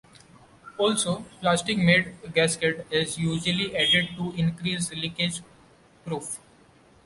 Also, plastic-made gasket is usually added to increase leakage proof.